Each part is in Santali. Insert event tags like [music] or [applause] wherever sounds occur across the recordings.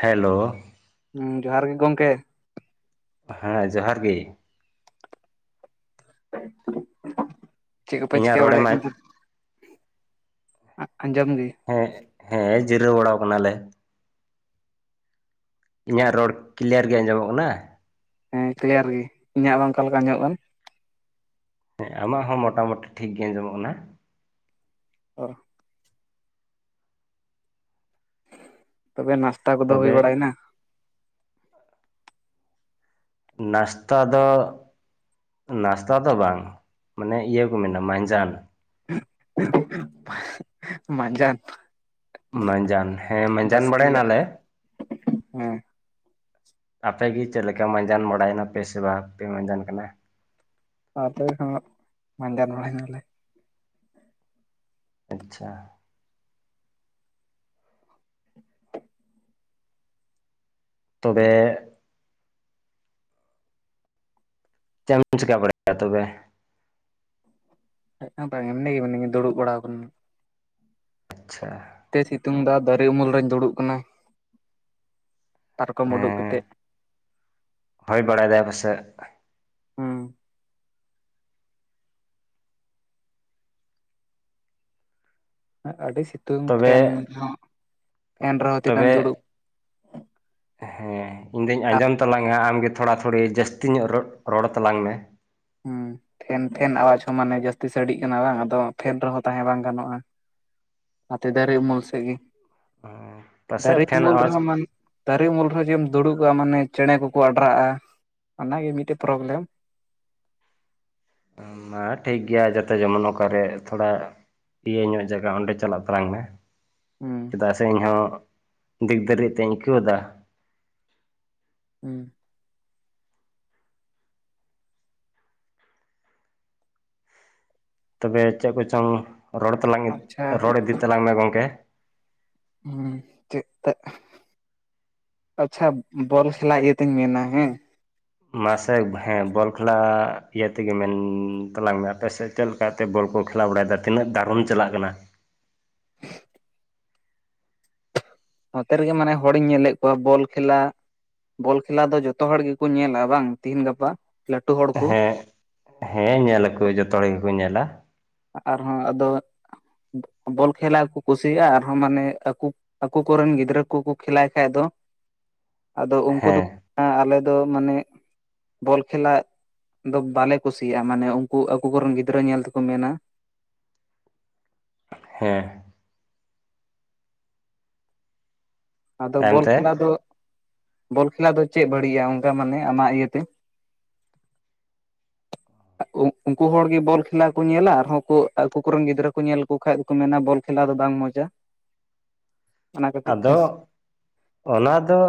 ᱦᱮᱞᱳᱻ ᱦᱩᱸ ᱡᱚᱦᱟᱨ ᱜᱮ ᱜᱚᱢᱠᱮ ᱦᱮᱸ ᱡᱚᱦᱟᱨ ᱜᱮ ᱪᱮᱫ ᱠᱚᱯᱮ ᱤᱧᱟᱹᱜ ᱪᱤᱠᱟᱹ ᱨᱚᱲ ᱮᱢ ᱵᱟᱲᱟᱭᱮᱫ ᱠᱟᱱ ᱛᱟᱦᱮᱱᱟ? ᱦᱮᱸ ᱦᱮᱸ ᱡᱤᱨᱟᱹᱣ ᱵᱟᱲ ᱠᱟᱱᱟᱞᱮ᱾ ᱤᱧᱟᱹᱜ ᱨᱚᱲ ᱠᱞᱤᱭᱟ. ᱨ ᱜᱮ ᱟᱸᱡᱚᱢᱚᱜ ᱠᱟᱱᱟ᱾ ᱦᱮᱸ ᱠᱞᱤᱭᱟ. ᱨ ᱜᱮ ᱤᱧᱟᱹᱜ ᱢᱟ ᱚᱱᱠᱟ ᱞᱮᱠᱟ ᱟᱡᱚᱢᱚᱜ ᱠᱟᱱ ᱦᱮᱸ ᱟᱢᱟᱜ ᱦᱚᱸ ᱢᱳᱴᱟᱢᱩᱴᱤ ᱴᱷᱤᱠ ᱜᱮ ᱟᱸᱡᱚᱢᱚᱜ ᱠᱟᱱᱟ ᱚ ᱛᱚᱵᱮ ᱱᱟᱥᱛᱟ ᱠᱚᱫᱚ ᱦᱩᱭ ᱛᱚᱵᱮ ᱵᱟᱲᱟ ᱭᱮᱱᱟ? ᱱᱟᱥᱛᱟ ᱫᱚ ᱱᱟᱥᱛᱟ ᱫᱚ ᱵᱟᱝ ᱢᱟᱱᱮ ᱤᱭᱟᱹ ᱠᱚ ᱢᱮᱱᱟ ᱢᱟᱸᱡᱟᱱ ᱢᱟᱸᱡᱟᱱ ᱢᱟᱡᱟᱱ ᱦᱮᱸ ᱢᱟᱡᱟᱱ ᱵᱟᱲᱟ ᱭᱮᱱᱟ ᱵᱟᱥᱠᱮᱭᱟᱜ ᱞᱮ ᱦᱮᱸ ᱟᱯᱮ ᱜᱮ ᱪᱮᱫ ᱞᱮᱠᱟ ᱢᱟᱡᱟᱱ ᱵᱟᱲᱟᱭ ᱱᱟᱯᱮ ᱥᱮ ᱵᱟᱝ ᱯᱮ ᱢᱟᱡᱟᱱ ᱠᱟᱱᱟ? ᱦᱮᱸ ᱛᱚᱵᱮ ᱠᱷᱟᱱ ᱢᱟ ᱢᱟᱡᱟᱱ ᱵᱟᱲᱟ ᱭᱮ ᱱᱟ ᱞᱮ ᱟᱪᱷᱟ ᱛᱚᱵᱮ ᱪᱮᱫ ᱮᱢ ᱪᱮᱠᱟ. ᱵᱟᱲᱟ ᱭᱮᱫᱟ ᱛᱚᱵᱮ? ᱦᱸ ᱵᱟᱝ ᱮᱢᱱᱤ ᱜᱮ ᱢᱤᱱᱟᱹᱧᱟ ᱫᱩᱲᱩᱵ ᱵᱟᱲᱟ ᱟᱠᱟᱱᱟᱹᱧ ᱟᱪᱪᱷᱟ ᱛᱮ ᱥᱤᱛᱩᱝ ᱫᱟ ᱫᱟᱨᱮ ᱩᱢᱩᱞ ᱨᱤᱧ ᱫᱩᱲᱩᱵ ᱠᱟᱱᱟ ᱯᱟᱨᱠᱚᱢ ᱩᱰᱩᱠ ᱠᱟᱛᱮᱫ ᱦᱚᱭ ᱵᱟᱲᱟ ᱭᱮᱫᱟᱭ ᱵᱟᱥᱮᱡ ᱦᱩᱸ ᱟᱹᱰᱤ ᱥᱤᱛᱩᱝ ᱛᱚᱵᱮ ᱯᱷᱮᱱ ᱨᱮᱦᱚᱸ ᱯᱷᱮᱱ ᱨᱮᱦᱚᱸ ᱛᱤᱱᱟᱹᱜ ᱮᱢ ᱛᱚᱵᱮ ᱫᱩᱲᱩᱵ ᱦᱮᱸ ᱤᱧ ᱫᱩᱧ ᱟ ᱟᱸᱡᱚᱢ ᱛᱟᱞᱟᱝ-ᱟ ᱟᱢ ᱜᱮ ᱛᱷᱚᱲᱟ ᱛᱷᱚᱲᱤ ᱡᱟᱥᱛᱤ ᱧᱚᱜ ᱨᱚᱲ ᱨᱚᱲ ᱛᱟᱞᱟᱝ ᱢᱮ ᱦᱮᱸ ᱯᱷᱮᱱ ᱯᱷᱮᱱ ᱟᱣᱟᱡ ᱦᱚᱸ ᱢᱟᱱᱮ ᱡᱟᱹᱥᱛᱤ ᱥᱟᱰᱮᱜ ᱠᱟᱱᱟ ᱵᱟᱝ ᱟᱫᱚ ᱯᱷᱮᱱ ᱨᱮᱦᱚᱸ ᱛᱟᱦᱮᱸ ᱵᱟᱝ ᱜᱟᱱᱚᱜᱼᱟ ᱟᱛᱮ ᱫᱟᱨᱮ ᱩᱢᱩᱞ ᱥᱮᱫ ᱜᱮ ᱫᱟᱨᱮ ᱯᱟᱥᱮᱡ ᱯᱷᱮᱱ ᱩᱢᱩᱞ ᱟᱣᱟᱡᱽ ᱨᱮᱦᱚᱸᱟᱱ ᱫᱟᱨᱮ ᱩᱢᱩᱞ ᱨᱮᱦᱚᱸ ᱡᱮᱢ ᱫᱩᱲᱩᱵᱚᱜᱼᱟ ᱢᱟᱱᱮ ᱪᱮᱬᱮ ᱠᱚᱠᱚ ᱟᱰᱨᱟᱜᱼᱟ ᱚᱱᱟᱜᱮ ᱢᱤᱫ ᱴᱮᱡ ᱯᱨᱚᱵᱽᱞᱮᱢ ᱢᱟ ᱴᱷᱤᱠ ᱜᱮᱭᱟ. ᱡᱟᱛᱮ ᱡᱮᱢᱚᱱ ᱚᱠᱟᱨᱮ ᱛᱷᱚᱲᱟ ᱤᱭᱟᱹ ᱧᱚᱜ ᱡᱟᱭᱜᱟ ᱚᱸᱰᱮ ᱪᱟᱞᱟᱜ ᱛᱟᱞᱟᱝ ᱢᱮ ᱦᱩᱸ ᱪᱮᱫᱟᱜ ᱥᱮ ᱤᱧᱦᱚᱸ ᱫᱤᱠ [unintelligible] ᱟᱹᱭᱠᱟᱹᱣᱫᱟ ᱦᱮᱸ ᱛᱚᱵᱮ ᱪᱮᱫ ᱠᱚᱪᱚᱝ ᱨᱚᱲ ᱛᱟᱞᱟᱝ ᱟᱪᱪᱷᱟ ᱨᱚᱲ ᱤᱫᱤ ᱛᱟᱞᱟᱝ ᱢᱮ ᱜᱚᱢᱠᱮ ᱦᱩᱸ ᱪᱮᱫ ᱚᱛ ᱟᱪᱷᱟ ᱵᱚᱞ ᱠᱷᱮᱞᱟ ᱤᱭᱟᱹᱛᱤᱧ ᱢᱮᱱᱟ ᱦᱮᱸ ᱢᱟᱥᱮ ᱦᱮᱸ ᱵᱚᱞ ᱠᱷᱮᱞᱟ ᱤᱭᱟᱹ ᱛᱮᱜᱮ ᱢᱮᱱ ᱛᱟᱞᱟᱝ ᱢᱮ ᱟᱯᱮ ᱥᱮᱫ ᱪᱮᱫ ᱞᱮᱠᱟᱛᱮ ᱵᱚᱞ ᱠᱚ ᱠᱷᱮᱞᱟ ᱵᱟᱲᱟ ᱭᱮᱫᱟ ᱛᱤᱱᱟᱹᱜ ᱫᱟᱨᱚᱢ ᱪᱟᱞᱟᱜ ᱠᱟᱱᱟ [inaudible] [inaudible] ᱱᱚᱛᱮ ᱨᱮᱜᱮ ᱢᱟᱱᱮ ᱦᱚᱲ ᱤᱧ ᱧᱮᱞᱮᱫ ᱠᱚᱣᱟ ᱵᱚᱞ ᱠᱷᱮᱞᱟ ᱵᱚᱞ ᱠᱷᱮᱞᱟ ᱫᱚ ᱡᱚᱛᱚ ᱦᱚᱲ ᱜᱮᱠᱚ ᱧᱮᱞᱟ ᱵᱟᱝ ᱛᱤᱦᱤᱧ ᱜᱟᱯᱟ ᱞᱟᱹᱴᱩ ᱦᱚᱲ ᱠᱚ ᱦᱮᱸ ᱦᱮᱸ ᱧᱮᱞ ᱟᱠᱚ ᱡᱚᱛᱚ ᱦᱚᱲ ᱜᱮᱠᱚ ᱧᱮᱞᱟ ᱟᱨᱦᱚᱸ ᱟᱫᱚ ᱵᱚᱞ ᱠᱷᱮᱞᱟ ᱠᱚ ᱠᱩᱥᱤᱭᱟᱜᱼᱟ ᱟᱨᱦᱚᱸ ᱢᱟᱱᱮ ᱟᱠᱚ ᱟᱠᱚ ᱠᱚᱨᱮᱱ ᱜᱤᱫᱽᱨᱟᱹ ᱠᱚ ᱠᱚ ᱠᱷᱮᱞᱟᱭ ᱠᱷᱟᱡ ᱫᱚ ᱟᱫᱚ ᱩᱱᱠᱩ ᱦᱮᱸ ᱫᱚᱠᱚ ᱟᱞᱮ ᱫᱚ ᱢᱟᱱᱮ ᱵᱚᱞ ᱠᱷᱮᱞᱟ ᱫᱚ ᱵᱟᱞᱮ ᱠᱩᱥᱤᱭᱟᱜᱼᱟ ᱢᱟᱱᱮ ᱩᱱᱠᱩ ᱟᱠᱚ ᱠᱚ ᱨᱮᱱ ᱜᱤᱫᱽᱨᱟᱹ ᱧᱮᱞ ᱛᱮᱠᱚ ᱢᱮᱱᱟ ᱦᱮᱸ ᱟᱫᱚ ᱛᱟᱭᱚᱢ ᱵᱚᱞ ᱛᱮ ᱠᱷᱮᱞᱟ ᱫᱚ ᱵᱚᱞ ᱠᱷᱮᱞᱟ ᱫᱚ ᱪᱮᱫ ᱵᱟᱹᱲᱤᱡᱜᱼᱟ ᱚᱱᱠᱟ ᱢᱟᱱᱮ ᱟᱢᱟᱜ ᱤᱭᱟᱹᱛᱮ ᱩᱱᱠᱩ ᱦᱚᱲᱜᱮ ᱵᱚᱞ ᱠᱷᱮᱞᱟ ᱠᱚ ᱧᱮᱞᱟ ᱟᱨᱦᱚᱸ ᱟᱠᱩ ᱠᱚᱨᱮᱱ ᱜᱤᱫᱽᱨᱟᱹ ᱠᱚ ᱧᱮᱞ ᱞᱮᱠᱚ ᱠᱷᱟᱡ ᱫᱚᱠᱚ ᱢᱮᱱᱟ ᱵᱚᱞ ᱠᱷᱮ ᱠᱷᱮᱞᱟ ᱫᱚ ᱵᱟᱝ ᱢᱚᱡᱟ ᱚᱱᱟ ᱠᱷᱟᱹᱛᱤᱨ ᱛᱮ ᱟᱫᱚ ᱚᱱᱟ ᱫᱚ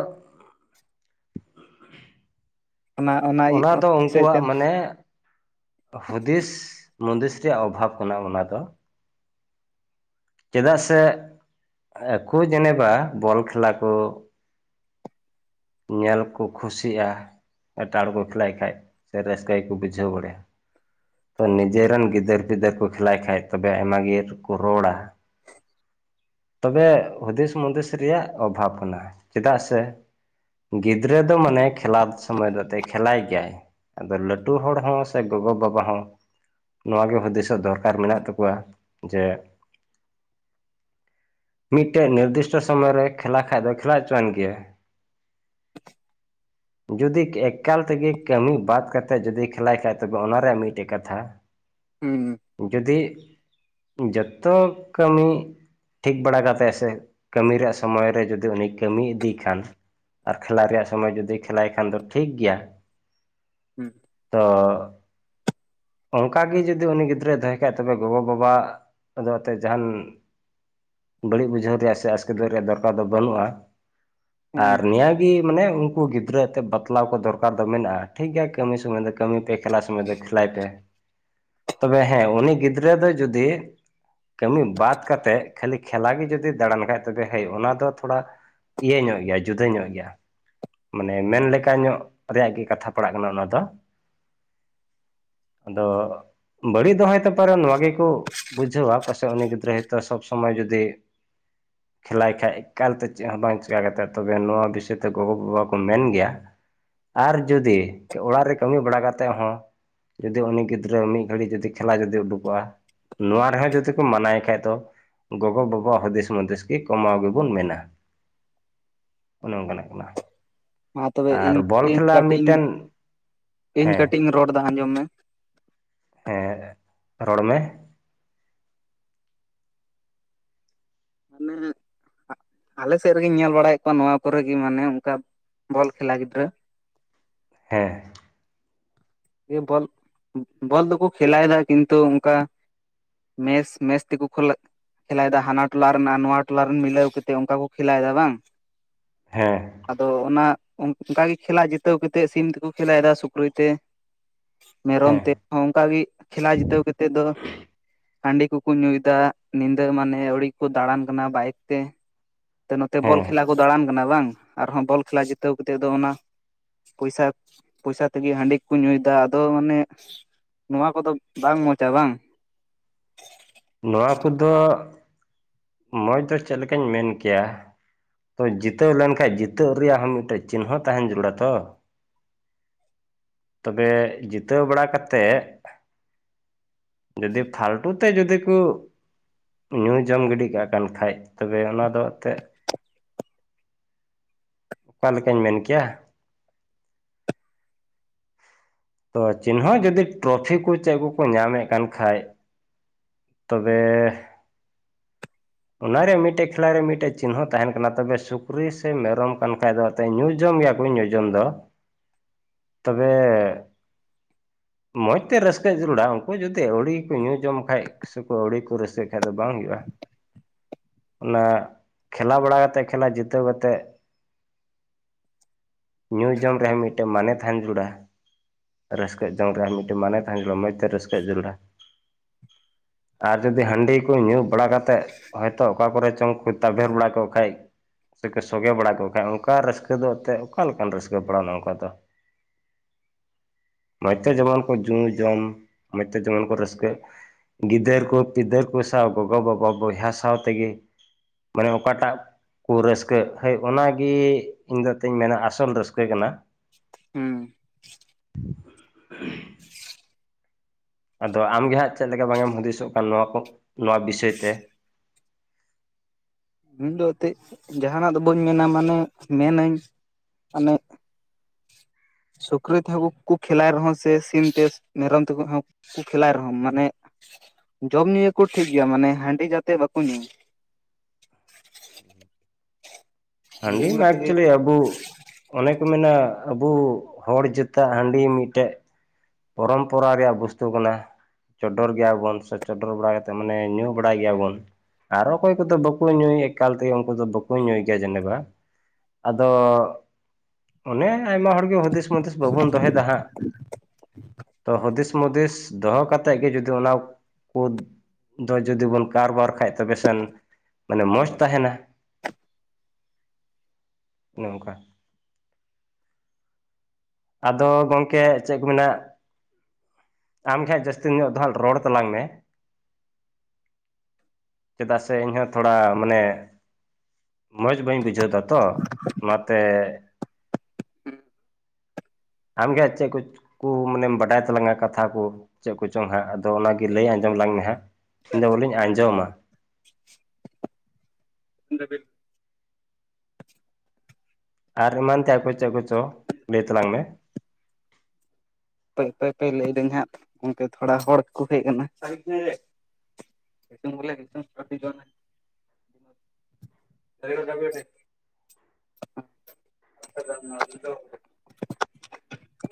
ᱚᱱᱟ ᱫᱚ ᱥᱮᱫ ᱛᱮ ᱩᱱᱠᱩᱣᱟᱜ ᱢᱟᱱᱮ ᱦᱩᱫᱤᱥ ᱢᱩᱫᱤᱥ ᱨᱮᱭᱟᱜ ᱚᱵᱷᱟᱵᱽ ᱠᱟᱱᱟ ᱚᱱᱟ ᱫᱚ ᱪᱮᱫᱟᱜ ᱥᱮ ᱟᱠᱚ ᱡᱮᱱᱮᱵᱟ ᱵᱚᱞ ᱠᱷᱮᱞᱟ ᱠᱚ ᱧᱮᱞ ᱠᱚ ᱠᱷᱩᱥᱤᱜᱼᱟ ᱮᱴᱟᱜ ᱦᱚᱲ ᱠᱚ ᱠᱷᱮᱞᱟᱭ ᱠᱷᱟᱡ ᱥᱮ ᱨᱟᱹᱥᱠᱟᱹ ᱜᱮᱠᱚ ᱵᱩᱡᱷᱟᱹᱣ ᱵᱟᱲᱟᱭᱟ ᱛᱚ ᱱᱤᱡᱮᱨᱮᱱ ᱜᱤᱫᱟᱹᱨ ᱯᱤᱫᱟᱹᱨ ᱠᱚ ᱠᱷᱮᱞᱟᱭ ᱠᱷᱟᱡ ᱛᱚᱵᱮ ᱟᱭᱢᱟ ᱜᱮᱠᱚ ᱨᱚᱲᱟ ᱛᱚᱵᱮ ᱦᱩᱫᱤᱥ ᱢᱩᱫᱤᱥ ᱨᱮᱭᱟᱜ ᱚᱵᱷᱟᱵᱽ ᱠᱟᱱᱟ ᱪᱮᱫᱟᱜ ᱥᱮ ᱜᱤᱫᱽᱨᱟᱹ ᱫᱚ ᱢᱟᱱᱮ ᱠᱷᱮᱞᱟ ᱥᱚᱢᱚᱭ ᱫᱚ ᱠᱷᱮᱞᱟᱭ ᱜᱮᱭᱟᱭ ᱟᱫᱚ ᱞᱟᱹᱴᱩ ᱦᱚᱲ ᱦᱚᱸ ᱥᱮ ᱜᱚᱜᱚᱵᱟᱵᱟ ᱦᱚᱸ ᱱᱚᱣᱟᱜᱮ ᱦᱩᱫᱤᱥᱚᱜ ᱫᱚᱨᱠᱟᱨ ᱢᱮᱱᱟᱜ ᱛᱟᱠᱚᱣᱟ ᱡᱮ ᱢᱤᱫᱴᱮᱱ ᱱᱤᱨᱫᱤᱥᱴᱚ ᱥᱚᱢᱚᱭ ᱨᱮ ᱠᱷᱮᱞᱟ ᱠᱷᱟ ᱫᱚ ᱠᱷᱮᱞᱟ ᱦᱚᱪᱚᱣᱟᱱ ᱜᱮᱭᱟ ᱡᱩᱫᱤ ᱮᱠᱟᱞ ᱛᱮᱜᱮ ᱠᱟᱹᱢᱤ ᱵᱟᱫ ᱠᱟᱛᱮᱫ ᱡᱩᱫᱤ ᱠᱷᱮᱞᱟᱭ ᱠᱷᱟᱡ ᱛᱚᱵᱮ ᱚᱱᱟ ᱨᱮᱭᱟᱜ ᱢᱤᱫᱴᱮᱡ ᱠᱟᱛᱷᱟ ᱦᱩᱸ ᱡᱩᱫᱤ ᱡᱚᱛᱚ ᱠᱟᱹᱢᱤ ᱴᱷᱤᱠ ᱵᱟᱲᱟ ᱠᱟᱛᱮᱫ ᱥᱮ ᱠᱟᱹᱢᱤ ᱨᱮᱭᱟᱜ ᱥᱚᱢᱚᱭ ᱨᱮ ᱡᱚᱫᱤ ᱩᱱᱤ ᱠᱟᱹᱢᱤ ᱤᱫᱤᱭ ᱠᱷᱟᱱ ᱟᱨ ᱠᱷᱮᱞᱟ ᱨᱮᱭᱟᱜ ᱥᱚᱢᱚᱭ ᱡᱩᱫᱤ ᱠᱷᱮᱞᱟᱭ ᱠᱷᱟᱱ ᱫᱚ ᱴᱷᱤᱠ ᱜᱮᱭᱟ ᱦᱩᱸ ᱛᱚ [inaudible] ᱚᱱᱠᱟᱜᱮ ᱡᱩᱫᱤ ᱩᱱᱤ ᱜᱤᱫᱽᱨᱟᱹᱭ ᱫᱚᱦᱚᱭ ᱠᱷᱟ ᱛᱚᱵᱮ ᱜᱚᱜᱚᱼᱵᱟᱵᱟᱫᱚ ᱮᱛᱮᱫ ᱡᱟᱦᱟᱱ ᱵᱟᱹᱲᱤᱡ ᱵᱩᱡᱷᱟᱹᱣ ᱨᱮᱭᱟᱜ ᱥᱮ ᱟᱥᱠᱮᱛ ᱫᱚᱜ ᱨᱮᱭᱟᱜ ᱫᱚᱨᱠᱟᱨ ᱫᱚ ᱵᱟᱹᱱᱩᱜᱼᱟ ᱦᱮᱸ ᱚᱱᱟᱜᱮ ᱢᱟᱱᱮ ᱩᱱᱠᱩ ᱜᱤᱫᱽᱨᱟᱹ ᱮᱛᱮᱫ ᱢᱟᱱᱮ ᱩᱱᱠᱩ ᱜᱤᱫᱽᱨᱟᱹ ᱛᱮᱫ ᱵᱟᱛᱞᱟᱣ ᱠᱚ ᱫᱚᱨᱠᱟᱨ ᱫᱚ ᱢᱮᱱᱟᱜᱼᱟ ᱴᱷᱤᱠ ᱜᱮᱮᱭᱟ ᱠᱟᱹᱢᱤ ᱥᱩᱢᱚᱭ ᱫᱚ ᱠᱟᱹᱢᱤ ᱯᱮ ᱠᱷᱮᱞᱟ ᱥᱚᱢᱚᱭ ᱫᱚ ᱠᱷᱮᱞᱟᱭ ᱯᱮ ᱛᱚᱵᱮ ᱦᱮᱸ ᱩᱱᱤ ᱜᱤᱫᱽᱨᱟᱹ ᱫᱚ ᱡᱩᱫᱤ ᱠᱟᱹᱢᱤ ᱵᱟᱫ ᱠᱟᱛᱮᱫ ᱠᱷᱟᱹᱞᱤ ᱠᱷᱮᱞᱟ ᱜᱮ ᱡᱩᱚᱫᱤ ᱫᱟᱬᱟᱱ ᱠᱷᱟᱡ ᱛᱮ ᱦᱚᱭ ᱚᱱᱟ ᱫᱚ ᱛᱷᱚᱲᱟ ᱤᱭᱟᱹ ᱧᱚᱜ ᱜᱮᱭᱟ ᱡᱩᱫᱟᱹ ᱧᱚᱜ ᱜᱮᱭᱟ ᱢᱟᱱᱮ ᱢᱮᱱ ᱞᱮᱠᱟ ᱧᱚᱜ ᱨᱮᱭᱟᱜ ᱜᱮ ᱠᱟᱛᱷᱟ ᱯᱟᱲᱟᱜ ᱠᱟᱱᱟ ᱚᱱᱟ ᱫᱚ [inaudible] ᱟᱫᱚ ᱵᱟᱹᱲᱤᱡ ᱫᱚᱦᱚᱭ ᱛᱟᱯᱟᱨᱮ ᱱᱚᱶᱟ ᱜᱮᱠᱚ ᱵᱩᱡᱷᱟᱹᱣᱟ ᱯᱟᱥᱮᱫ ᱩᱱᱤ ᱜᱤᱫᱽᱨᱟᱹ ᱦᱚᱭᱛᱳ ᱥᱚᱵ ᱥᱚᱢᱚᱭ ᱡᱩᱫᱤ ᱠᱷᱮᱞᱟᱭ ᱠᱷᱟᱭ ᱮᱠᱟᱞ ᱛᱮ ᱪᱮᱫ ᱦᱚᱸ ᱵᱟᱝ ᱪᱤᱠᱟᱹ ᱠᱟᱛᱮᱫ ᱛᱚᱵᱮ ᱱᱚᱣᱟ ᱵᱤᱥᱚᱭ ᱛᱮ ᱜᱚᱜᱚᱵᱟᱵᱟ ᱠᱚ ᱢᱮᱱ ᱜᱮᱭᱟ ᱟᱨ ᱡᱩᱫᱤ ᱚᱲᱟᱜ ᱨᱮ ᱠᱟᱹᱢᱤ ᱵᱟᱲᱟ ᱠᱟ ᱠᱟᱛᱮᱮᱫ ᱦᱚᱸ ᱡᱩᱫᱤ ᱩᱱᱤ ᱜᱤᱫᱽᱨᱟᱹ ᱢᱤᱫ ᱜᱷᱟᱹᱲᱤᱡ ᱡᱩᱫᱤ ᱠᱷᱮᱞᱟ ᱡᱩᱫᱤ ᱩᱰᱩᱠᱚᱜᱼᱟ ᱱᱚᱣᱟ ᱨᱮᱦᱚᱸ ᱡᱩᱫᱤ ᱠᱚ ᱢᱟᱱᱟᱣᱭ ᱠᱷᱟᱡ ᱫᱚ ᱜᱚᱜᱚᱼᱵᱟᱵᱟ ᱦᱩᱫᱤᱥ ᱦᱩᱫᱤᱥ ᱜᱮ ᱠᱚᱢᱟᱣ ᱜᱮᱵᱚᱱ ᱢᱮᱱᱟ [inaudible] ᱚᱱᱮ ᱚᱱᱠᱟᱱᱟᱜ ᱠᱟᱱᱟ ᱢᱟ ᱛᱚᱵᱮ ᱟᱨ ᱤᱧ ᱵᱚᱞ ᱤᱧ ᱠᱷᱮᱞᱟ ᱠᱟᱹᱴᱤᱡ ᱤᱧ ᱢᱤᱫᱴᱮᱱ ᱤᱧ ᱦᱮᱸ ᱠᱟᱹᱴᱤᱡ ᱤᱧ ᱨᱚᱲᱫᱟ ᱟᱸᱡᱚᱢ ᱢᱮ ᱦᱮᱸ ᱨᱚᱲ ᱢᱮ ᱢᱟᱱᱮ ᱟᱞᱮ ᱥᱮᱫ ᱨᱮᱜᱤᱧ ᱧᱮᱞ ᱵᱟᱲᱟᱭᱮᱫ ᱠᱚᱣᱟ ᱱᱚᱣᱟ ᱠᱚᱨᱮᱜᱮ ᱢᱟᱱᱮ ᱚᱱᱠᱟ ᱵᱚᱞ ᱠᱷᱮᱞᱟ ᱜᱤᱫᱽᱨᱟᱹ ᱦᱮᱸ ᱵᱚᱞ ᱵᱚᱞ ᱫᱚᱠᱚ ᱠᱷᱮᱞᱟᱭᱮᱫᱟ ᱠᱤᱱᱛᱩ ᱚᱱᱠᱟ ᱢᱮᱥ ᱢᱮᱥ ᱛᱮᱠᱚ ᱠᱷᱩᱞᱟᱜ ᱠᱷᱮᱞᱟᱭᱮᱫᱟ ᱦᱟᱱᱟ ᱴᱚᱞᱟ ᱨᱮᱱ ᱟᱨ ᱱᱚᱣᱟ ᱴᱚᱞᱟ ᱨᱮᱱ ᱢᱤᱞᱟᱹᱣ ᱠᱟ ᱠᱟᱛᱮᱫ ᱚᱱᱠᱟ ᱠᱚ ᱠᱷᱮᱞᱞᱟᱮᱫᱟ ᱵᱟᱝ ᱦᱮᱸ ᱟᱫᱚ ᱚᱱᱟ ᱚᱱᱠᱟ ᱜᱮ ᱠᱷᱮᱞᱟ ᱡᱤᱛᱟᱹᱣ ᱠᱟᱛᱮᱫ ᱥᱤᱢ ᱛᱮᱠᱚ ᱠᱷᱮᱞᱟᱭᱮᱫᱟ ᱥᱩᱠᱨᱤ ᱛᱮ ᱢᱮᱨᱚᱢ ᱦᱮᱸ ᱛᱮ ᱚᱱᱠᱟᱜᱮ ᱠᱷᱮᱞᱟ ᱡᱤᱛᱟᱹᱣ ᱠᱟᱛᱮᱫ ᱫᱚ ᱦᱟᱺᱰᱤ ᱠᱚᱠᱚ ᱧᱩᱭᱮᱫᱟ ᱧᱤᱫᱟᱹ ᱢᱟᱱᱮ ᱟᱹᱣᱲᱤ ᱠᱚ ᱫᱟᱬᱟᱱ ᱠᱟᱱᱟ ᱵᱟᱭᱤᱠ ᱛᱮ ᱱᱚᱛᱮ ᱵᱚᱞ ᱦᱮᱸ ᱠᱷᱮᱞᱟ ᱠᱚ ᱫᱟᱬᱟᱱ ᱠᱟᱱᱟ ᱵᱟᱝ ᱟᱨᱦᱚᱸ ᱵᱚᱞ ᱠᱷᱮᱞᱟ ᱡᱤᱛᱟᱹᱣ ᱠᱟᱛᱮᱫ ᱫᱚ ᱚᱱᱟ ᱯᱚᱭᱥᱟ ᱯᱚᱭᱥᱟ ᱛᱮᱜᱮ ᱦᱟᱺᱰᱤ ᱠᱚ ᱧᱩᱭ ᱟᱫᱚ ᱢᱟᱱᱮ ᱱᱚᱣᱟ ᱠᱚᱫᱚ ᱵᱟᱝ ᱢᱚᱡᱟ ᱵᱟᱝ ᱱᱚᱣᱟ ᱠᱚᱫᱚ ᱢᱚᱸᱡᱽ ᱫᱚ ᱪᱮᱫ ᱞᱮᱠᱟᱧ ᱢᱮᱱ ᱠᱮᱭᱟ ᱛᱚ ᱡᱤᱛᱟᱹᱣ ᱞᱮᱱᱠᱷᱟᱱᱡ ᱡᱤᱛᱟᱹᱜᱣ ᱨᱮᱭᱟᱜ ᱦᱚᱸ ᱢᱤᱫᱴᱮᱡ ᱪᱤᱱᱦᱟᱹ ᱛᱟᱦᱮᱱ ᱡᱟᱹᱨᱩᱲᱟ ᱛᱚ ᱛᱚᱵᱮ ᱡᱤᱛᱟᱹᱣ ᱵᱟᱲᱟ ᱠᱟᱛᱮᱜ ᱡᱚᱫᱤ ᱯᱷᱟᱞᱛᱩ ᱛᱮ ᱡᱚᱫᱤ ᱠᱚ ᱧᱩ ᱡᱚᱢ ᱜᱤᱰᱤ ᱠᱟᱜ ᱠᱟᱱ ᱠᱷᱟᱡ ᱛᱚᱵᱮ ᱚᱱᱟ ᱫᱚ ᱮᱱᱛᱮᱜ ᱚᱠᱟ ᱞᱮᱠᱟᱧ ᱢᱮᱱ ᱠᱮᱭᱟ ᱛᱚ ᱪᱤᱱᱦᱟᱹ ᱡᱩᱫᱤ ᱴᱨᱚᱯᱷᱤ ᱠᱚ ᱪᱮᱫ ᱠᱚᱠᱚ ᱧᱟᱢᱮᱫ ᱠᱟᱱ ᱠᱷᱟᱡ ᱛᱚᱵᱮ ᱚᱱᱟᱨᱮ ᱢᱤᱫᱴᱮᱡ ᱠᱷᱮᱞᱟ ᱨᱮ ᱢᱤᱫᱴᱮᱡ ᱪᱤᱱᱦᱟᱹ ᱛᱟᱦᱮᱱ ᱠᱟᱱᱟ ᱛᱚᱵᱮ ᱥᱩᱠᱨᱤ ᱥᱮ ᱢᱮᱨᱚᱢ ᱠᱟᱱ ᱠᱷᱟᱡ ᱫᱚ ᱮᱱ ᱧᱩ ᱡᱚᱢ ᱧᱩ ᱡᱚᱢ ᱜᱮᱭᱟ ᱠᱚ ᱧᱩ ᱡᱳᱢ ᱫᱚ [inaudible] ᱛᱚᱵᱮ [inaudible] ᱢᱚᱡᱽ ᱛᱮ ᱨᱟᱹᱥᱠᱟᱹ ᱡᱟᱹᱨᱩᱲᱟ ᱩᱱᱠᱩ ᱡᱩᱫᱤ ᱟᱹᱣᱲᱤ ᱠᱚ ᱧᱩ ᱡᱚᱢ ᱠᱷᱟᱡ ᱥᱮ ᱟᱹᱣᱲᱤ ᱠᱚ ᱨᱟᱹᱥᱠᱟᱹᱜ ᱠᱷᱟᱡ ᱫᱚ ᱵᱟᱝ ᱦᱩᱭᱩᱜᱼᱟ᱾ [inaudible] ᱚᱱᱟ ᱠᱷᱮᱞᱟ ᱵᱟᱲᱟ ᱠᱟᱛᱮᱜ ᱠᱷᱮᱞᱟ ᱡᱤᱛᱟᱹᱣ ᱠᱟᱛᱮᱜ ᱧᱩ ᱡᱚᱢ ᱨᱮᱦᱚᱸ ᱢᱤᱫᱴᱮᱱ ᱢᱟᱱᱮᱛᱟᱱ ᱡᱩᱲᱟ ᱨᱟᱹᱥᱠᱟᱹᱜ ᱡᱚᱝ ᱨᱮ ᱢᱤᱫᱴᱮᱱ ᱢᱟᱱᱮ ᱛᱟᱦᱮᱸᱱ ᱡᱟᱨᱩᱲᱟ ᱢᱚᱡᱽ ᱛᱮ ᱨᱟᱹᱥᱠᱟᱹᱜ ᱡᱚᱝ ᱡᱟᱨᱩᱲᱟ᱾ ᱟᱨ ᱡᱩᱫᱤ ᱦᱟᱺᱰᱤ ᱠᱚ ᱧᱩ ᱵᱟᱲᱟ ᱠᱟᱛᱮᱜ ᱦᱚᱭᱛᱚ ᱚᱠᱟ ᱠᱚᱨᱮ ᱪᱚᱝ ᱠᱚ ᱛᱟᱵᱮᱨ ᱵᱟᱲᱟ ᱠᱚᱜ ᱠᱷᱟᱱ ᱥᱮᱠᱚ ᱥᱚᱜᱮ ᱵᱟᱲᱟ ᱠᱚᱜ ᱠᱷᱟᱱ ᱚᱱᱠᱟ ᱨᱟᱹᱥᱠᱟᱹ ᱫᱚ ᱮᱱᱛᱮᱫ ᱚᱠᱟ ᱞᱮᱠᱟᱱ ᱨᱟᱹᱥᱠᱟᱹ ᱵᱟᱲᱟ ᱚᱱᱠᱟ ᱫᱚ [inaudible] ᱢᱚᱡᱽ ᱛᱮ ᱡᱮᱢᱚᱱ ᱠᱚ ᱧᱩ ᱡᱚᱢ ᱢᱚᱡᱽ ᱛᱮ ᱡᱮᱢᱚᱱ ᱠᱚ ᱨᱟᱹᱥᱠᱟᱹᱜ ᱜᱤᱫᱟᱹᱨ ᱠᱚ ᱯᱤᱫᱟᱹᱨ ᱠᱚ ᱥᱟᱶ ᱜᱚᱜᱚᱼᱵᱟᱵᱟ ᱵᱚᱭᱦᱟ ᱥᱟᱶ ᱛᱮᱜᱮ ᱢᱟᱱᱮ ᱚᱠᱟᱴᱟᱜ ᱠᱚ ᱨᱟᱹᱥᱠᱟᱹᱜ ᱦᱳᱭ ᱚᱱᱟᱜᱮ ᱤᱧ ᱫᱚ ᱛᱚᱧ ᱢᱮᱱᱟ ᱟᱥᱚᱞ ᱨᱟᱹᱥᱠᱟᱹ ᱠᱟᱱᱟ ᱦᱮᱸ [inaudible] ᱟᱫᱚ ᱟᱢᱜᱮᱦᱟᱸᱜ ᱪᱮᱫ ᱞᱮᱠᱟ ᱵᱟᱝᱮᱢ ᱦᱩᱫᱤᱥᱚᱜ ᱠᱟᱱ ᱱᱚᱣᱟ ᱠᱚ ᱱᱚᱣᱟ ᱵᱤᱥᱚᱭ ᱛᱮ [inaudible] ᱤᱧᱫᱚ ᱮᱱᱛᱮᱫ ᱡᱟᱦᱟᱱᱟᱜ ᱫᱚ ᱵᱟᱹᱧ ᱢᱮᱱᱟ ᱢᱟᱱᱮ ᱢᱮᱱ ᱟᱹᱧ ᱢᱟᱱᱮ ᱥᱩᱠᱨᱤ ᱛᱮᱦᱚᱸ ᱠᱷᱮᱞᱟᱭ ᱨᱮᱦᱚᱸ ᱥᱮ ᱥᱤᱢ ᱛᱮ ᱢᱮᱨᱚᱢ ᱛᱮᱠᱚ ᱠᱚ ᱠᱷᱮᱞᱟᱭ ᱨᱮᱦᱚᱸ ᱢᱟᱱᱮ ᱡᱚᱢ ᱧᱩᱭᱟᱠᱚ ᱴᱷᱤᱠ ᱜᱮᱭᱟ ᱢᱟᱱᱮ ᱦᱟᱺᱰᱤ ᱡᱟᱛᱮ ᱵᱟᱠᱚ ᱧᱩᱭ [inaudible] ᱦᱟᱺᱰᱤ ᱧᱩ ᱢᱟ ᱛᱮᱜᱮ ᱮᱠᱪᱩᱭᱮᱞᱤ ᱟᱵᱚ ᱚᱱᱮ ᱠᱚ ᱢᱮᱱᱟ ᱟᱵᱚ ᱦᱚᱲ ᱡᱟᱹᱛᱟᱹ ᱦᱟᱺᱰᱤ ᱢᱤᱫᱴᱮᱡ ᱯᱚᱨᱚᱢᱯᱚᱨᱟ ᱨᱮᱭᱟᱜ ᱵᱚᱥᱛᱩ ᱠᱟᱱᱟ᱾ ᱪᱚᱰᱚᱨ ᱜᱮᱭᱟᱵᱚᱱ ᱥᱮ ᱪᱚᱰᱚᱨ ᱵᱟᱲᱟ ᱠᱟᱛᱮᱫ ᱢᱟᱱᱮ ᱧᱩ ᱵᱟᱲᱟᱭ ᱜᱮᱭᱟᱵᱚᱱ᱾ ᱟᱨᱚ ᱚᱠᱚᱭ ᱠᱚᱫᱚ ᱵᱟᱠᱚ ᱧᱩᱭ ᱮᱠᱟᱞ ᱛᱮᱜᱮ ᱩᱱᱠᱩ ᱫᱚ ᱵᱟᱠᱚ ᱧᱩᱭ ᱜᱮᱭᱟ ᱡᱮᱱᱮᱵᱟ ᱟᱫᱚ ᱚᱱᱮ ᱟᱭᱢᱟ ᱦᱚᱲᱜᱮ ᱦᱩᱫᱤᱥ ᱢᱩᱫᱤᱥ ᱵᱟᱵᱚᱱ ᱫᱚᱦᱚᱭᱮᱫᱟ ᱦᱟᱸᱜ ᱦᱩᱫᱤᱥ ᱢᱩᱫᱤᱥ ᱫᱚᱦᱚ ᱠᱟᱛᱮᱜ ᱜᱮ ᱡᱩᱫᱤ ᱚᱱᱟ ᱠᱚ ᱫᱚ ᱡᱩᱫᱤ ᱵᱚᱱ ᱠᱟᱨᱵᱟᱨ ᱠᱷᱟᱡ ᱛᱚᱵᱮ ᱥᱮᱱ ᱢᱟᱱᱮ ᱢᱚᱡᱽ ᱛᱟᱦᱮᱱᱟ [inaudible] ᱱᱚᱝᱠᱟ ᱟᱫᱚ ᱜᱚᱝᱠᱮ ᱪᱮᱫ ᱠᱚ ᱢᱮ ᱟᱢᱜᱮ ᱦᱟᱜ ᱡᱟᱹᱥᱛᱤ ᱱᱤᱧᱟ ᱫᱚ ᱦᱟ ᱨᱚᱲ ᱛᱟᱞᱟᱝ ᱢᱮ ᱪᱮᱫᱟᱜ ᱥᱮ ᱤᱧᱦᱚᱸ ᱛᱷᱚᱲᱟ ᱢᱟᱱᱮ ᱢᱚᱡᱽ ᱵᱟᱹᱧ ᱵᱩᱡᱷᱟᱹᱣ ᱫᱟᱛᱚ ᱚᱱᱟᱛᱮ ᱟᱢᱜᱮ ᱪᱮᱫ ᱠᱚ ᱠᱩ ᱢᱟᱱᱮᱢ ᱵᱟᱰᱟᱭ ᱛᱟᱞᱟᱝᱟ ᱠᱟᱛᱷᱟ ᱠᱚ ᱪᱮᱫ ᱠᱚᱪᱚᱝ ᱦᱟᱸᱜ ᱟᱫᱚ ᱚᱱᱟᱜᱮ ᱞᱟᱹᱭ ᱟᱸᱡᱚᱢ ᱞᱟᱝ ᱢᱮ ᱦᱟᱸᱜ ᱤᱧᱫᱚ ᱵᱚᱞᱮᱧ ᱟᱸᱡᱚᱢᱟ [unintelligible] ᱟᱨ ᱮᱢᱟᱱ ᱛᱮᱣᱟᱜ ᱠᱚ ᱪᱮᱫ ᱠᱚᱪᱚ ᱞᱟᱹᱭ ᱛᱟᱞᱟᱝ ᱢᱮ ᱟᱹᱭᱯᱟᱹᱭ ᱯᱟᱹᱭ ᱞᱟᱹᱭ ᱟᱹᱫᱟᱹᱧ ᱦᱟᱸᱜ ᱚᱱᱠᱮ ᱛᱷᱚᱲᱟ ᱦᱚᱲᱠᱚ ᱦᱮᱡ ᱠᱟᱱᱟ [unintelligible] ᱵᱚᱞᱛᱤ ᱡ ᱫ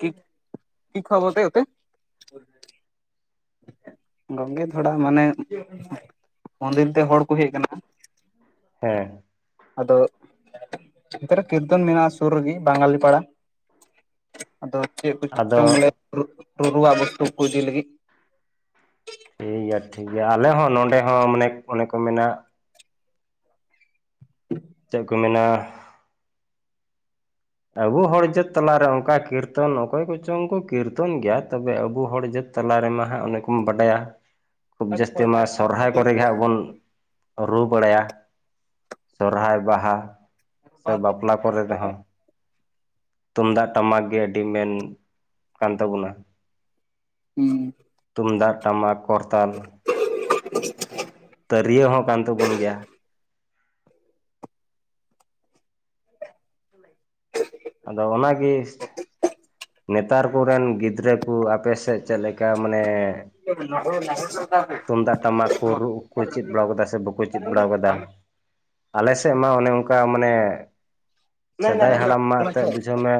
[unintelligible] ᱫᱵ [inaudible] [unintelligible] ᱠ ᱠᱷᱚᱵᱚᱨ ᱛᱟᱭ ᱛᱮ ᱜᱚᱝᱠᱮ ᱛᱷᱚᱲᱟ ᱢᱟᱱᱮ ᱢᱚᱱᱫᱤᱨ ᱛᱮ ᱦᱚᱲ ᱠᱚ ᱦᱮᱡ ᱠᱟᱱᱟ ᱦᱮᱸ ᱟᱫᱚ ᱛᱮ ᱨᱮ ᱠᱤᱨᱛᱚᱱ ᱢᱮᱱᱟᱜᱼᱟ ᱥᱩᱨ ᱨᱮᱜᱮ ᱵᱟᱝᱜᱟᱞᱤ ᱯᱟᱲᱟ ᱟᱫᱚ ᱪᱮᱫ ᱠᱚ ᱟᱫᱚ ᱡᱚᱢ ᱵᱚᱞᱮ ᱨᱩᱨᱩᱣᱟᱜ ᱵᱚᱥᱛᱩ ᱠᱚ ᱤᱫᱤ ᱞᱟᱹᱜᱤᱫ ᱴᱷᱤᱠ ᱜᱮᱭᱟ ᱴᱷᱤᱠ ᱜᱮᱭᱟ ᱟᱞᱮ ᱦᱚᱸ ᱱᱚᱸᱰᱮ ᱦᱚᱸ ᱢᱟᱱᱮ ᱚᱱᱮ ᱠᱚ ᱢᱮᱱᱟ ᱪᱮᱫ ᱠᱚ ᱢᱮᱱᱟ ᱟᱵᱚ ᱦᱚᱲ ᱡᱟᱹᱛ ᱛᱟᱞᱟᱨᱮ ᱚᱱᱠᱟ ᱠᱤᱨᱛᱚᱱ ᱚᱠᱚᱭ ᱠᱚᱪᱚᱝ ᱠᱚ ᱠᱤᱨᱛᱚᱱ ᱜᱮᱭᱟ ᱛᱚᱵᱮ ᱟᱵᱚ ᱦᱚᱲ ᱡᱟᱹᱛ ᱛᱟᱞᱟ ᱨᱮᱢᱟ ᱦᱟᱸᱜ ᱚᱱᱮ ᱠᱚᱢ ᱵᱟᱰᱟᱭᱟ ᱠᱷᱩᱵ ᱡᱟᱹᱥᱛᱤ ᱢᱟ ᱥᱚᱨᱦᱟᱭ ᱠᱚᱨᱮ ᱜᱮ ᱦᱟᱸᱜ ᱵᱚᱱ ᱨᱩ ᱵᱟᱲᱟᱭᱟ ᱥᱚᱨᱚᱦᱟᱭ ᱵᱟᱦᱟ ᱥᱮ ᱵᱟᱯᱞᱟ ᱠᱚᱨᱮ ᱨᱮᱦᱚᱸ ᱛᱩᱢᱫᱟᱜ ᱴᱟᱢᱟᱠ ᱜᱮ ᱟᱹᱰᱤ ᱢᱮᱱ ᱠᱟᱱ ᱛᱟᱵᱚᱱᱟ ᱦᱮᱸ ᱛᱩᱢᱫᱟᱜ ᱴᱟᱢᱟᱠ ᱠᱚᱨᱛᱟᱞ [unintelligible] ᱦ ᱛᱤᱨᱭᱟᱹ ᱦᱚᱸ ᱠᱟᱱ ᱛᱟᱵᱚᱱ ᱜᱮᱭᱟ [unintelligible] ᱦ ᱟᱫᱚ ᱚᱱᱟᱜᱮ ᱱᱮᱛᱟᱨ ᱠᱚᱨᱮᱱ ᱜᱤᱫᱽᱨᱟᱹ ᱠᱚ ᱟᱯᱮ ᱥᱮᱫ ᱪᱮᱫ ᱞᱮᱠᱟ ᱢᱟᱱᱮ [unintelligible] ᱛᱩᱢᱫᱟᱜ ᱴᱟᱢᱟᱠ ᱠᱚ ᱨᱩ ᱠᱚ ᱪᱮᱫ ᱵᱟᱲ ᱠᱟᱫᱟ ᱥᱮ ᱵᱟᱠᱚ ᱪᱮᱫ ᱵᱟᱲᱟ ᱠᱟᱫᱟ ᱟᱞᱮ ᱥᱮᱫ ᱢᱟ ᱚᱱᱮ ᱚᱱᱠᱟ ᱢᱟᱱᱮ ᱥᱮᱫᱟᱭ ᱦᱟᱲᱟᱢ ᱢᱟ ᱮᱱᱛᱜ ᱵᱩᱡᱷᱟᱹᱣ ᱢᱮ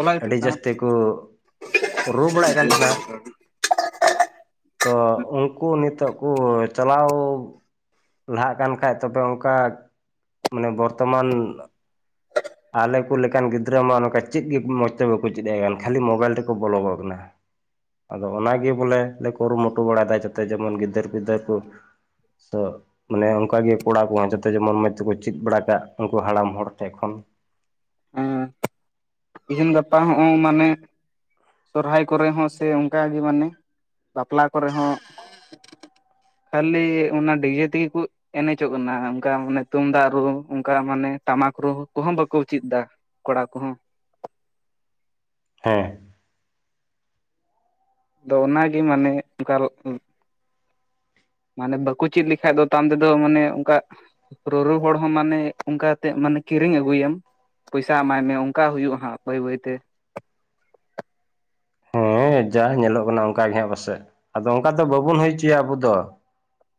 ᱚᱱᱟ ᱜᱮᱛᱚ ᱟᱹᱰᱤ ᱡᱟᱹᱥᱛᱤ ᱠᱚ ᱨᱩ ᱵᱟᱲᱟᱭᱮᱫ ᱠᱟᱱ ᱛᱟᱦᱮᱱᱟ ᱛᱚ ᱩᱱᱠᱩ ᱱᱤᱛᱚᱜ ᱠᱚ ᱪᱟᱞᱟᱣ ᱞᱟᱦᱟᱜ ᱠᱟᱱ ᱠᱷᱟᱡ ᱛᱚᱵᱮ ᱚᱱᱠᱟ ᱢᱟᱱᱮ ᱵᱚᱨᱛᱚᱢᱟᱱ ᱟᱞᱮ ᱠᱚ ᱞᱮᱠᱟᱱ ᱜᱤᱫᱽᱨᱟᱹ ᱢᱟ ᱱᱚᱝᱠᱟ ᱪᱮᱫ ᱜᱮ ᱢᱚᱸᱡᱽ ᱛᱮ ᱵᱟᱠᱚ ᱪᱮᱫ ᱟᱭ ᱠᱟᱱ ᱠᱷᱟᱹᱞᱤ ᱢᱳᱵᱟᱭᱤᱞ ᱨᱮᱠᱚ ᱵᱚᱞᱚ ᱠᱟᱱᱟ [inaudible] ᱟᱫᱚ ᱚᱱᱟᱜᱮ ᱵᱚᱞᱮ ᱞᱮ ᱠᱩᱨᱩᱢᱩᱴᱩ ᱵᱟᱲᱟᱭᱟ ᱡᱟᱛᱮ ᱡᱮᱢᱚᱱ ᱜᱤᱫᱟᱹᱨᱼ ᱯᱤᱫᱟᱹᱨ ᱠᱚ ᱢᱟᱱᱮ ᱚᱱᱠᱟᱜᱮ ᱠᱚᱲᱟ ᱠᱚᱦᱚᱸ ᱡᱚᱛᱚ ᱡᱮᱢᱚᱱ ᱢᱚᱡᱽ ᱛᱮᱠᱚ ᱪᱮᱫ ᱵᱟᱲᱟ ᱠᱟᱜ ᱩᱱᱠᱩ ᱦᱟᱲᱟᱢ ᱦᱚᱲ ᱴᱷᱮᱱ ᱠᱷᱚᱱ ᱦᱮᱸ ᱛᱮᱦᱮᱧ ᱜᱟᱯᱟ ᱦᱚᱸ ᱢᱟᱱᱮ ᱥᱚᱨᱦᱟᱭ ᱠᱚᱨᱮ ᱦᱚᱸ ᱥᱮ ᱚᱱᱠᱟᱜᱮ ᱢᱟᱱᱮ ᱵᱟᱯᱞᱟ ᱠᱚᱨᱮ ᱦᱚᱸ ᱠᱷᱟᱹᱞᱤ ᱚᱱᱟ ᱰᱤᱡᱮ ᱛᱮᱜᱮ ᱠᱚ ᱮᱱᱮᱡᱚᱜ ᱠᱟᱱᱟ ᱚᱱᱠᱟ ᱢᱟᱱᱮ ᱛᱩᱢᱫᱟᱜ ᱨᱩ ᱚᱱᱠᱟ ᱢᱟᱱᱮ ᱴᱟᱢᱟᱠ ᱨᱩ ᱠᱚᱦᱚᱸ ᱵᱟᱠᱚ ᱪᱮᱫ ᱮᱫᱟ ᱠᱚᱲᱟ ᱠᱚᱦᱚᱸ ᱦᱮᱸ ᱟᱫᱚ ᱚᱱᱟᱜᱮ ᱢᱟᱱᱮ ᱚᱱᱠᱟ ᱢᱟᱱᱮ ᱵᱟᱠᱚ ᱪᱮᱫ ᱞᱮᱠᱷᱟᱡ ᱫᱚ ᱛᱟᱭᱚᱢᱟᱢ ᱛᱮᱫᱚ ᱢᱟᱱᱮ ᱚᱱᱠᱟ ᱨᱩ ᱨᱩ ᱦᱚᱲ ᱦᱚᱸ ᱢᱟᱱᱮ ᱚᱱᱠᱟᱛᱮ ᱢᱟᱱᱮ ᱠᱤᱨᱤᱧ ᱟᱹᱜᱩ ᱟᱢ ᱯᱚᱭᱥᱟ ᱮᱢᱟᱭ ᱢᱮ ᱚᱱᱠᱟ ᱦᱩᱭᱩᱜᱼᱟ ᱦᱟᱜ ᱵᱟᱹᱭ ᱵᱟᱹᱭᱛᱮ ᱦᱮᱸ ᱡᱟ ᱧᱮᱞᱚᱜ ᱠᱟᱱᱟ ᱚᱱᱠᱟ ᱜᱮᱦᱟᱸᱜ ᱯᱟᱥᱮᱡ ᱟᱫᱚ ᱚᱱᱠᱟ ᱫᱚ ᱵᱟᱵᱚᱱ ᱦᱩᱭ ᱦᱚᱪᱚᱭᱟ ᱟᱵᱚ ᱫᱚ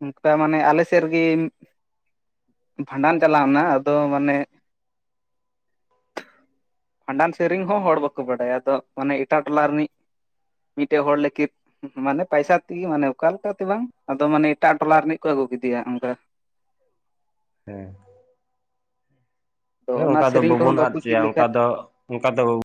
ᱚᱱᱠᱟ ᱢᱟᱱᱮ ᱟᱞᱮ ᱥᱮᱫ ᱨᱮᱜᱮ ᱵᱷᱟᱸᱰᱟᱱ ᱪᱟᱞᱟᱣᱱᱟ ᱟᱫᱚ ᱢᱟᱱᱮ ᱵᱷᱟᱸᱰᱟᱱ ᱥᱮᱨᱮᱧ ᱦᱚᱸ ᱦᱚᱲ ᱵᱟᱠᱚ ᱵᱟᱰᱟᱭᱟ ᱟᱫᱚ ᱢᱟᱱᱮ ᱮᱴᱟᱜ ᱴᱚᱞᱟ ᱨᱤᱱᱤᱡ ᱢᱤᱫᱴᱮᱡ ᱦᱚᱲ ᱞᱟᱹᱜᱤᱫ ᱢᱟᱱᱮ ᱯᱟᱭᱥᱟ ᱛᱮᱜᱮ ᱢᱟᱱᱮ ᱚᱠᱟᱞᱮᱠᱟᱛᱮ ᱵᱟᱝ ᱟᱫᱚ ᱢᱟᱱᱮ ᱮᱴᱟᱜ ᱴᱚᱞᱟ ᱨᱤᱱᱤᱡ ᱠᱚ ᱟᱹᱜᱩ ᱠᱮᱫᱮᱭᱟ ᱚᱱᱠᱟ ᱛᱚ ᱦᱮᱸ ᱚᱱᱟ ᱚᱱᱠᱟ ᱫᱚ ᱥᱮᱨᱮᱧ ᱠᱚᱦᱚᱸ ᱵᱟᱵᱚᱱ ᱟᱫ ᱵᱟᱠᱚ ᱪᱮᱫ ᱦᱚᱪᱚᱭᱟ ᱞᱮᱠᱷᱟᱱ ᱚᱱᱠᱟ ᱫᱚ ᱚᱱᱠᱟ ᱫᱚ ᱵᱟᱵ